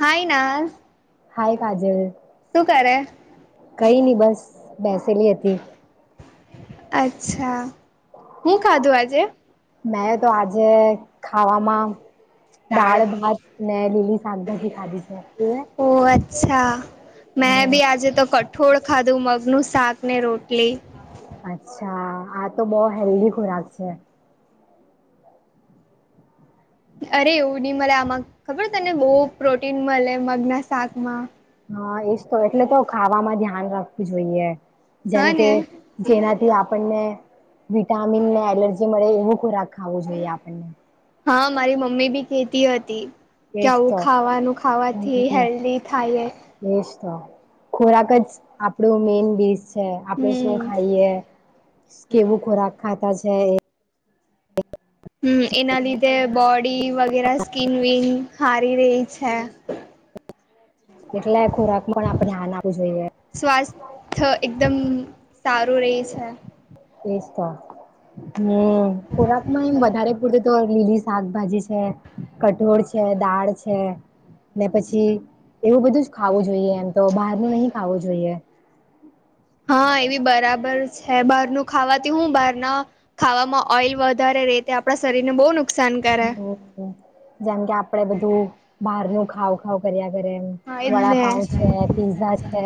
હા ના હાય કાજલ શું કરે કઈ નહી બસ બેસેલી હતી અચ્છા હું ખાધુ આજે મેં તો આજે ખાવામાં દાળ ભાત ને લીલી શાકભાજી ખાધી છે તું એ ઓ અચ્છા મેં હમ, બી આજે તો કઠોળ ખાધું મગનું શાક ને રોટલી અચ્છા આ તો બહ હેલ્ધી ખોરાક છે અરે એવું નહી મળે આમાં ખબર તને બહુ પ્રોટીન મળે મગના શાક માં. હા એજ તો એટલે તો ખાવામાં ધ્યાન રાખવું જોઈએ જેમ હા કે ને. જેનાથી આપણને વિટામિન ને એલર્જી મળે એવું ખોરાક ખાવું જોઈએ આપણને હા મારી મમ્મી બી ખેતી હતી કે એજ આવું તો ખાવાનું ખાવાથી હેલ્ધી થાય બેસ્ટ ખોરાક જ આપણું મેન ડીશ છે આપડ શું હમ્મ. ખાઈએ? કેવું ખોરાક ખાતા છે? હમ એના લીધે બોડી વગેરે સ્કીિન વિન હારી રહી છે એટલે ખોરાક માં પણ આપડણે હ્યાન આવવું જોઈએ સ્વાસ્થ્ય એકદમ સારું રહે છે તો હમ ખોરાક માં એમ વધારે પૂરતે તો લીલી શાકભાજી છે કઠોળ છે દાળ છે. ને પછી એવું બધું જ ખાવું જોઈએ એમ તો બહાર નહી ખાવું જોઈએ હા એવી બરાબર છે બહારનું ખાવાથી હું બહારના ખાવામાં ઓઈલ વધારે ર તે આપણા શરીર ને બહ નુ જેમ કે આપડે બધું બહાર ન ખાવ કર્યા કરે એ હા એજ વડાપઉ છે પીઝા છે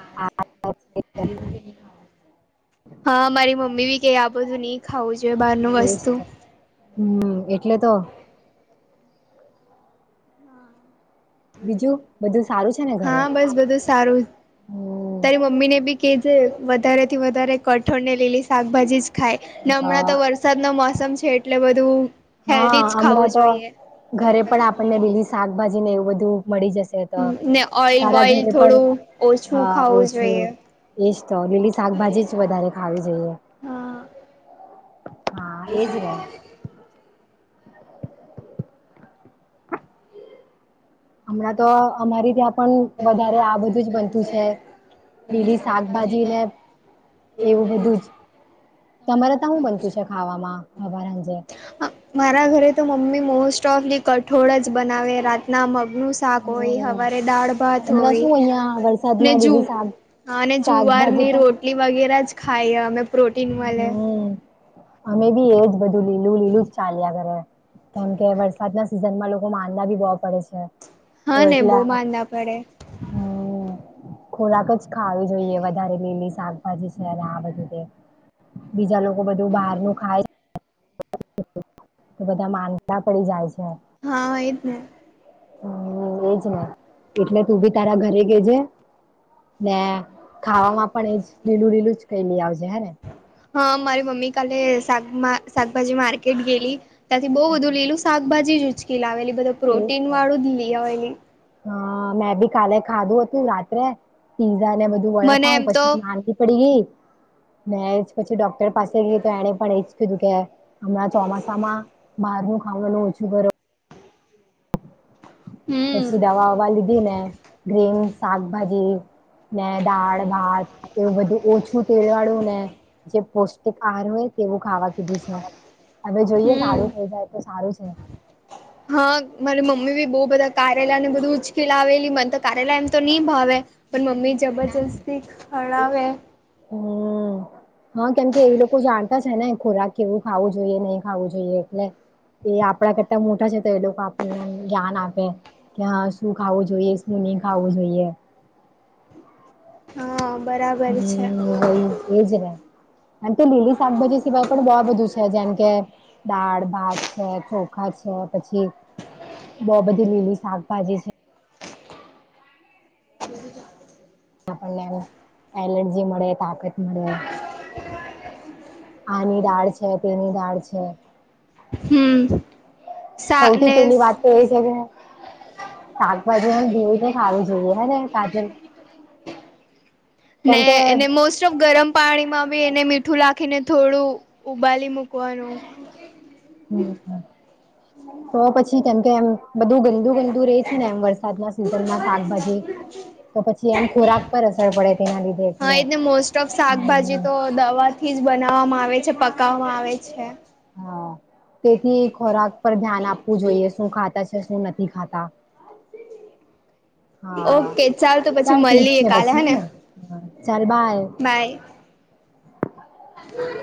આ હા મારી મમ્મી બી કે આ બધું નહી ખાવું જોઈએ બહાર નું તે જ વસ્તુ. તો હમ એટલે તો બીજું બધું સારું છે ને ઘરે હા બસ બધું સારું. હમ તારી મમ્મીને બી કે જે વધારેથી વધારે કઠોળ ને લીલી શાકભાજી જ ખાય. હમણાં તો અ વરસાદ નું મોસમ છે એટલે બધું હેલ્ધી હા જ હમણાં ખાવું તો જોઈએ. ઘરે પણ આપણને લેલી શાકભાજી ને એવું બધું મળી જશે. તો ને ઓઈલ સારા બોઈલ ઘરે પણ થોડું ઓછું હા ખાવું ઓછું જોઈએ એજ તો લીલી શાકભાજી જ વધારે ખાવી જોઈએ. હા હા એજ ને. હમણાં તો અમારી ત્યાં પણ વધારે આ બધું જ બનતું છે. લીલી શાકભાજી ને એવું બધું જ તમારે ત હું બનતું છે ખાવામાં હવાર હંજે? મારા ઘરે તો મમ્મી મોસ્ટ ઓફ ધી કઠોળ જ બનાવે રાતના મગનું શાક હોય હમ હવારે દાળ ભાત હમણાં શું હોય અહિયાં ને વરસાદમાં જુ લીલી શાક હા અને શાકભાજી જુવારની પણ રોટલી વગેરે જ ખાયમ હમ અમે બી એજ બધું લીલું લીલું જ ચાલ્યા ઘરે કેમ કે વરસાદના સીઝનમાં લોકો માંંદા ભી બહ પડે છે તો હા ને એટલે બહુ માંદા પડે હમ ખોરાક જ ખાવી જોઈએ વધારે લીલી શાકભાજી છે બીજા લોકો બધું બહાર નું ખાય તો બધા માંનડા પડી જાય છે હા એ ને. હ એજ ને એટલે તું ભી તારા ઘરે કેજે ને ખાવામાં પણ એજ લીલું લીલું જ કઇ લઇ આવજે હે ને. હા મારી મમ્મી કાલે શક શાકભાજી માર્કેટ ગેલી ત્યાંથી બહુ બધું લીલું શાકભાજી ઉચકી લાવેલી બધું એજ પ્રોટીન તો વાળું જ લી આવેલી. હા મેં ભી કાલે ખા દું હતી રાત્રે પીઝા ને બધું. વડા મને પાઉ એમ તો પછી માદી પડી ગઈ મેજ પછી ડોક્ટર પાસે ગઈ તો એને પણ એ કી કે હમણાં ચોમાસામાં બહાર ન ખાવાનું ઓછું કરો હમ પછી દવાવા લીધી ને ગ્રીન શાકભાજી ને દાળ ભાત એવું બધું ઓછું તેલ વાળું ને જે પૌષ્ટિક આહાર હોય. કેવું ખાવા કીધું છે હવે જોઈએ હમ સારું થઈ જાય તો સારું છે હા મારી મમ્મી ભી બહુ બધા કાર્યાલયને બધું ઉચકેલાવેેલી મને તો કાર્યાલય એમ તો નહી ભાવે પણ મમ્મી જબરજસ્તી હરાવે હમ હા કેમ કે એવી લોકો જાણ છે ને ખોરાક કેવું ખાવું જોઈએ નહી ખાવું જોઈએ એટલે એ આપણા કરતા મોટા છે તો એ લોકો આપણને જ્ઞાન આપે કે હા શું ખાવું જોઈએ શું નહી ખાવું જોઈએ હા બરાબર હમ છે ભય એજને અને તે લીલી શાકભાજી સિવાય પણ બહ બધું છે જેમ કે દાળ ભાત છે ચોખા છે પછી બઉુ બધી લીલી શાકભાજી છે બ ને એલર્જી મળે તાત મળે આની દાળ છે તેની દાળ છે હમ સૌથી સાને પેલી જ વાત તો એ છે કે શાકભાજી એમ ધોઈને ભને ખાવી જોઈએ હે ને કાજલ ને કેમકે એ મોસ્ટ ઓફ ગરમ પાણીમાં બી એને મીઠું લખીને થોડું ઉબાલી મૂકવાનું હમ તો પછી કેમ કે એમ બધું ગંદુ ગંદુ રે છે ને એમ વરસાદ ના સનમાં શાકભાજી તો પછી એમ ખોરાક પર અસર પડે તેના લીધે હા એટલે એ મોસ્ટ તફ શાકભાજી હમ તો દવા થી જ બનાવવામાં આવે છે પકાવવામાં આવે છે હા તેથી ખોરાક પર ધ્યાન આપવું જોઈએ શું ખાતા છે શું નથી ખાતા હા ઓકે તો પછી ચાલ ઠીક મળીએ છે કાલે પછી હે ને હને ચાલ બાય બાય